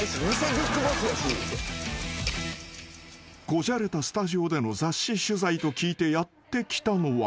［こじゃれたスタジオでの雑誌取材と聞いてやって来たのは］